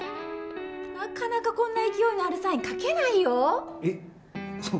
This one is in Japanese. なかなかこんな勢いのあるサイン書けないよ。